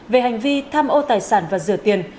về hành vi tham ô tài sản và rửa tiền